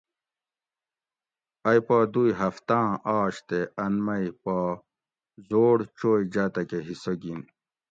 ائ پا دوئ ھفتاۤں آش تے ان مئ پا ذوڑ چوئ جاتکہۤ حصہ گِن